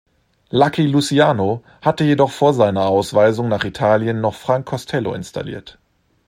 Lucky Luciano hatte jedoch vor seiner Ausweisung nach Italien noch Frank Costello installiert.